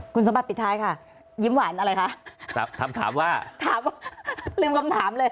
คุณสมบัติปิดท้ายค่ะยิ้มหวานอีกค่ะ